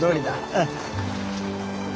うん。